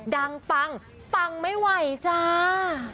ปังปังไม่ไหวจ้า